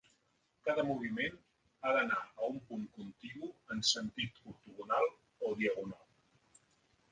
Cada moviment ha d'anar a un punt contigu en sentit ortogonal o diagonal.